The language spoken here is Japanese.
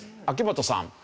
秋元さん。